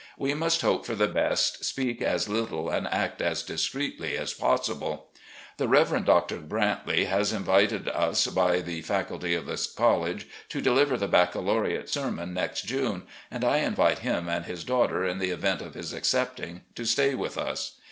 We must hope for the best, speak as little and act as discreetly as possible. "The Reverend Dr. Brantley was invited by the faculty of the college to deliver the baccalaureate sermon next June, and I invited him and his daughter, in the event of his accepting, to stay with us.